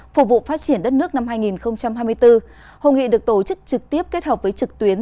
phục vụ phát triển đất nước năm hai nghìn hai mươi bốn hội nghị được tổ chức trực tiếp kết hợp với trực tuyến